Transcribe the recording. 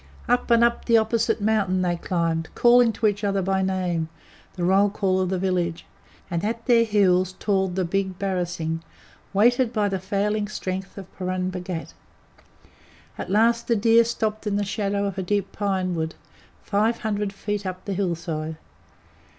Up and up the opposite mountain they climbed, calling to each other by name the roll call of the village and at their heels toiled the big barasingh, weighted by the failing strength of Purun Bhagat. At last the deer stopped in the shadow of a deep pinewood, five hundred feet up the hillside.